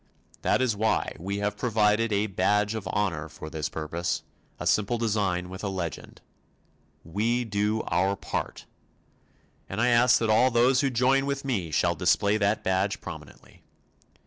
That is why we have provided a badge of honor for this purpose, a simple design with a legend. "We do our part," and I ask that all those who join with me shall display that badge prominently.